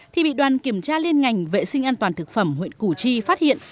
thì bị đoàn kiểm tra liên ngành vệ sinh an toàn thực phẩm huyện củ chi phát hiện